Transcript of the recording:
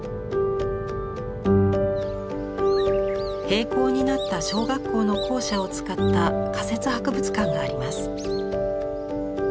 閉校になった小学校の校舎を使った仮設博物館があります。